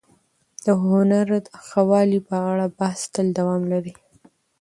د هنر د ښه والي په اړه بحث تل دوام لري.